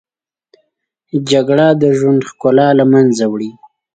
جګړه د ژوند ښکلا له منځه وړي